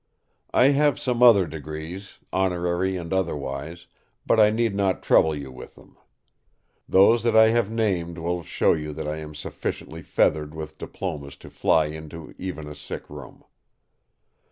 I have some other degrees, honorary and otherwise, but I need not trouble you with them. Those I have named will show you that I am sufficiently feathered with diplomas to fly into even a sick room.